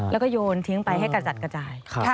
แล้วก็โยนทิ้งไปให้กระจัดกระจาย